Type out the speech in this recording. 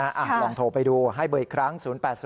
อ่าลองโทรไปดูให้เบอร์อีกครั้ง๐๘๐๗๘๙๘๘๙๖